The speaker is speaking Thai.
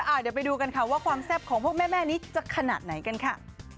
เดี๋ยวไปดูกันค่ะว่าความแซ่บของพวกแม่นี้จะขนาดไหนกันค่ะ